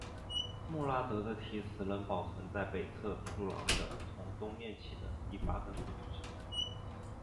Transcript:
穆拉德的题词仍保存在北侧柱廊的从东面起的第八根柱子上。